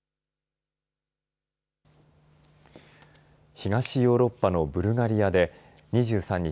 東ヨーロッパのブルガリアで２３日